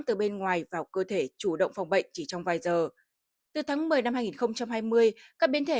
từ bên ngoài vào cơ thể chủ động phòng bệnh chỉ trong vài giờ từ tháng một mươi năm hai nghìn hai mươi các biến thể